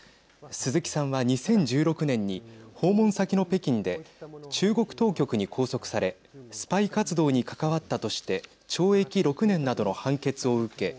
鈴木さんは２０１６年に訪問先の北京で中国当局に拘束されスパイ活動に関わったとして懲役６年などの判決を受け